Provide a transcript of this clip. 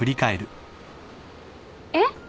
えっ？